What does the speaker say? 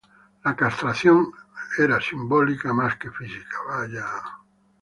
La castración era simbólica más que física.